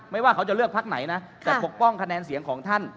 ว่าเขาจะเลือกพักไหนนะแต่ปกป้องคะแนนเสียงของท่าน